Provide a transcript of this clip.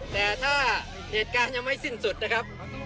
แต่ถ้าเหตุการณ์ยังไม่สิ้นสุดนะครับ